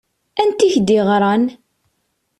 Anta i k-d-yeɣṛan?